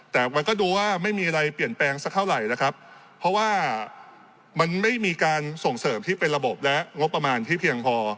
แต่มันก็ดูว่าไม่มีอะไรเปลี่ยนแปลงสักเท่าไหร่นะครับเพราะว่ามันไม่มีการส่งเสริมที่เป็นระบบและงบประมาณที่เพียงพอ